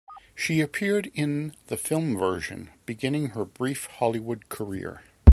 She appeared in the film version, beginning her brief Hollywood career.